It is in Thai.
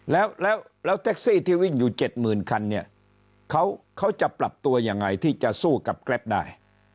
แล้วแล้วแล้วแท็กซี่ที่วิ่งอยู่เจ็ดหมื่นคันเนี่ยเขาจะปรับตัวอย่างไรที่จะสู้กับแก๊ปได้